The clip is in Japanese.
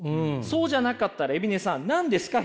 そうじゃなかったら海老根さん何ですか？